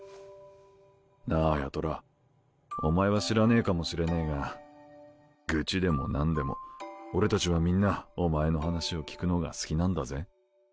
なあ八虎お前は知らねぇかもしれねぇが愚痴でもなんでも俺たちはみんなお前の話を聞くのが好きなんだぜ。